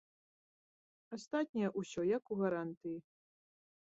Астатняе ўсё як у гарантыі.